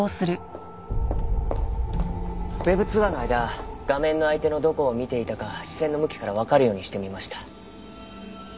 Ｗｅｂ通話の間画面の相手のどこを見ていたか視線の向きからわかるようにしてみました。